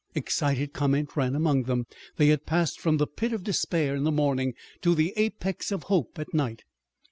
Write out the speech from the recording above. Excited comment ran among them. They had passed from the pit of despair in the morning to the apex of hope at night.